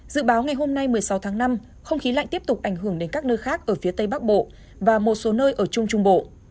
dự báo ngày hôm nay một mươi sáu tháng năm không khí lạnh tiếp tục ảnh hưởng đến các nơi khác ở phía tây bắc bộ và một số nơi ở trung trung bộ